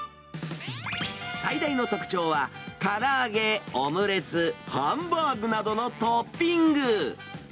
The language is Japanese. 最大の特徴は、から揚げ、オムレツ、ハンバーグなどのトッピング。